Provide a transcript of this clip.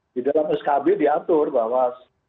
di dalam skb diatur bahwa